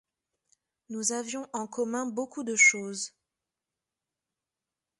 Nous avions en commun beaucoup de choses.